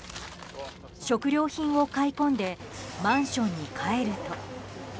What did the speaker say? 食料品を買い込んでマンションに帰ると。